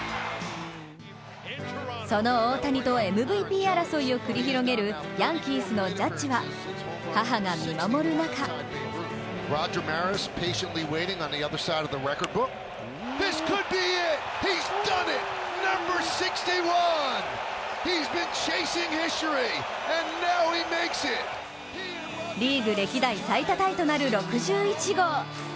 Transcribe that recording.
その大谷とＭＶＰ争いを繰り広げるヤンキースのジャッジは母が見守る中リーグ歴代最多タイとなる６１号。